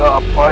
saya tidak tahu